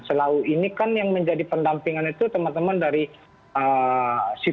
selalu ini kan yang menjadi pendampingan itu teman teman dari sipol